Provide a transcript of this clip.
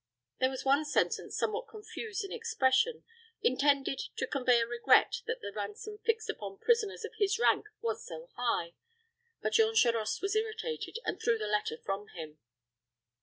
There was one sentence somewhat confused in expression, intended to convey a regret that the ransom fixed upon prisoners of his rank was so high; but Jean Charost was irritated, and threw the letter from him.